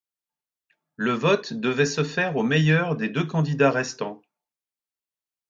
Le vote devait se faire au meilleur des deux candidats restants.